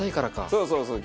そうそうそう。